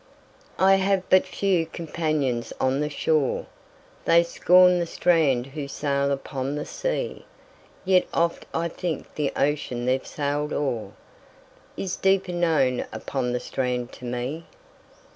I have but few companions on the shore:They scorn the strand who sail upon the sea; Yet oft I think the ocean they've sailed o'erIs deeper known upon the strand to me.